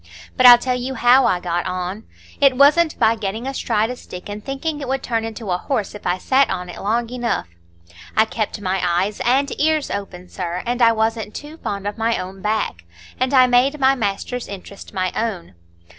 "But I'll tell you how I got on. It wasn't by getting astride a stick and thinking it would turn into a horse if I sat on it long enough. I kept my eyes and ears open, sir, and I wasn't too fond of my own back, and I made my master's interest my own.